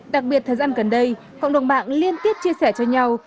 đặc biệt thời gian gần đây cộng đồng mạng liên tiếp chia sẻ cho nhau